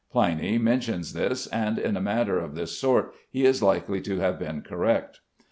Pliny mentions this, and in a matter of this sort he is likely to have been correct.